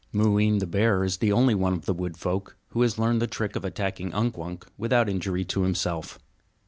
Mooween the bear is the only one of the wood folk who has learned the trick of attacking Unk Wunk without injury to himself.